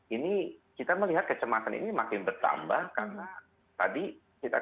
ini kita melihat kecemasan ini makin bertambah karena tadi kita katakan bahwa orang orang terdekat kita sudah mulai banyak yang terkena